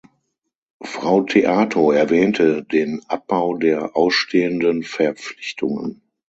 Frau Theato erwähnte den Abbau der ausstehenden Verpflichtungen.